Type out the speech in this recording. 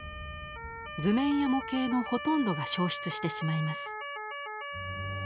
図面や模型のほとんどが焼失してしまいます。